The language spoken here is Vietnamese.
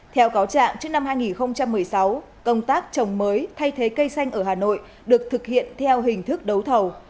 theo cáo trạng trước năm hai nghìn một mươi sáu công tác trồng mới thay thế cây xanh ở hà nội được thực hiện theo hình thức đấu thầu